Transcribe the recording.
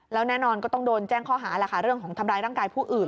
แล้วแน่นอนก็ต้องโดนแจ้งข้อหาแหละค่ะเรื่องของทำร้ายร่างกายผู้อื่น